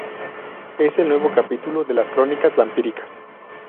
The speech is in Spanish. Es un nuevo capítulo de las "Crónicas Vampíricas".